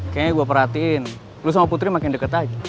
kayanya gue perhatiin lo sama putri makin deket aja